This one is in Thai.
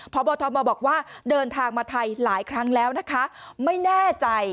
พระบอธรรมบอกว่าเดินทางมาไทยหลายครั้งแล้วนะคะ